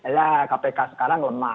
ya kpk sekarang lemah